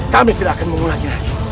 kami tidak akan mengulangi lagi